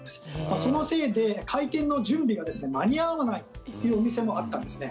そのせいで開店の準備が間に合わないというお店もあったんですね。